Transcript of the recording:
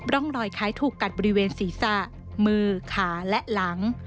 ร่องรอยคล้ายถูกกัดบริเวณศีรษะมือขาและหลัง